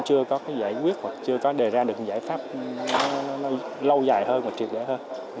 chưa có giải quyết hoặc chưa có đề ra được giải pháp lâu dài hơn và triệt lệ hơn